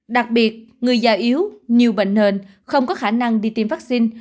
đặc biệt người già yếu nhiều bệnh nền không có khả năng đi tiêm vaccine